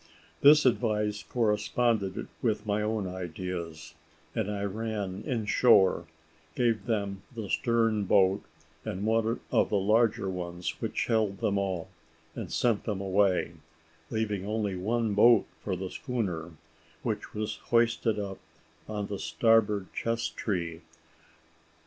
This advice corresponded with my own ideas, and I ran in shore, gave them the stern boat and one of the larger ones, which held them all, and sent them away, leaving only one boat for the schooner, which was hoisted up on the starboard chess tree.